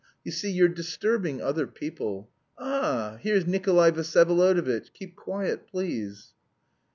You see, you're disturbing other people.... Ah, here's Nikolay Vsyevolodovitch; keep quiet, please."